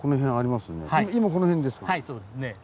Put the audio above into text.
今この辺ですかね。